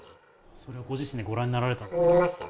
それをご自身でご覧になられ見ました。